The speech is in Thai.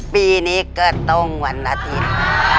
ปีนี้ก็ต้องวันอาทิตย์